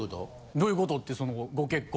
どういうことってそのご結婚。